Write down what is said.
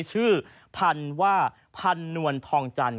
ชื่อพันว่าพันนวลทองจันท